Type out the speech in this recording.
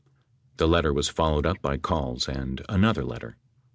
The letter was followed up by calls and another letter.